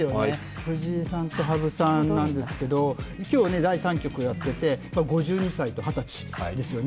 藤井さんと羽生さんなんですけど、今日、第３局をやっていて、５２歳と２０歳ですよね。